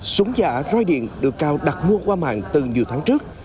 súng giả roi điện được cao đặt mua qua mạng từ nhiều tháng trước